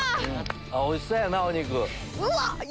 おいしそうやなお肉。